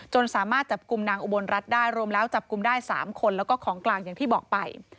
สามารถจับกลุ่มนางอุบลรัฐได้รวมแล้วจับกลุ่มได้๓คนแล้วก็ของกลางอย่างที่บอกไป